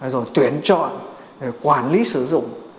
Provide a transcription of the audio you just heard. rồi tuyển chọn quản lý sử dụng